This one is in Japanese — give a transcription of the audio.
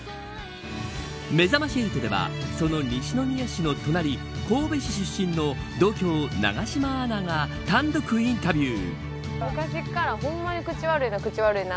めざまし８では、その西宮市の隣神戸市出身の同郷永島アナが単独インタビュー。